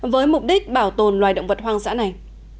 với mục đích bảo tồn loài động vật hoang dã này